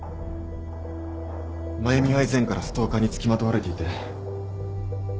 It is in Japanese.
繭美は以前からストーカーに付きまとわれていて。